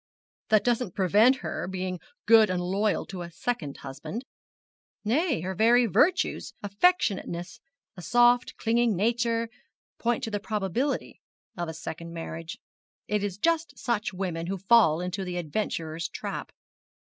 'That doesn't prevent her being good and loyal to a second husband; nay, her very virtues affectionateness, a soft clinging nature point to the probability of a second marriage. It is just such women who fall into the adventurer's trap.